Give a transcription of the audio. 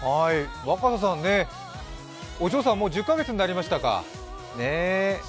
若狭さん、お嬢さん、もう１０か月になりましたか。